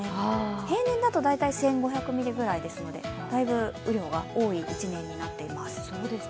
平年だと１５００ミリぐらいですのでだいぶ雨量が多い１年になっています。